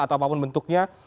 atau apapun bentuknya